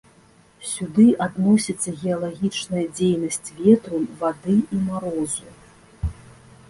Сюды адносіцца геалагічная дзейнасць ветру, вады і марозу.